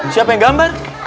siapa yang gambar